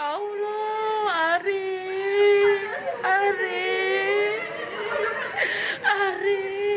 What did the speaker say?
ya allah ari ari ari